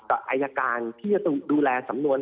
อายการที่จะดูแลสำนวน